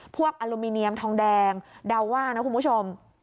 อลูมิเนียมทองแดงเดาว่านะคุณผู้ชม